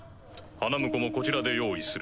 「花婿もこちらで用意する。